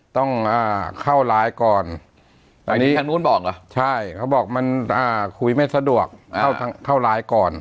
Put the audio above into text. ต้องเข้าไลน์ก่อนอันนี้ทางนู้นบอกเหรอใช่เขาบอกมันคุยไม่สะดวกเข้าไลน์ก่อน